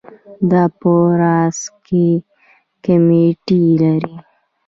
دا په راس کې کمیټې لري.